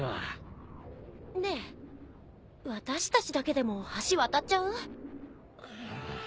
ねえ私たちだけでも橋渡っちゃう？